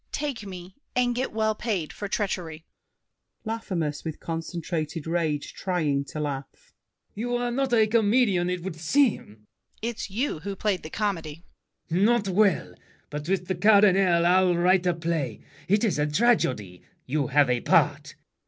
Take me, and get well paid for treachery. LAFFEMAS (with concentrated rage, trying to laugh). You are not a comedian, it would seem! DIDIER. It's you who played the comedy. LAFFEMAS. Not well. But with the Cardinal I'll write a play. It is a tragedy: you have a part.